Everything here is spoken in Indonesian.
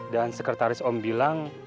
dan sekretaris om bilang